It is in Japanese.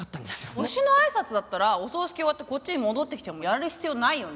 喪主のあいさつだったらお葬式終わってこっちに戻ってきてもやる必要ないよね。